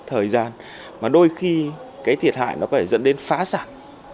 thời gian mà đôi khi cái thiệt hại nó có thể dẫn đến phá sản